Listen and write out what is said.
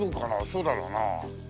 そうだろうな。